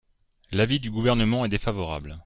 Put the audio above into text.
L’avis du Gouvernement est défavorable.